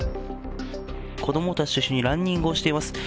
子どもたちと一緒にランニングをしています。